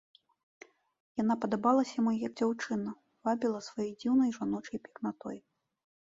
Яна падабалася яму як дзяўчына, вабіла сваёй дзіўнай жаночай пекнатой.